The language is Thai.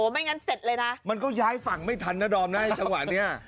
ไม่งั้นเสร็จเลยนะมันก็ย้ายฝั่งไม่ทันนะดอมนะไอ้จังหวะนี้